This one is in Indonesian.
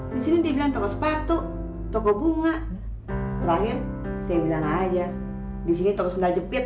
disini dibilang toko sepatu toko bunga lahir saya bilang aja disini toko sandal jepit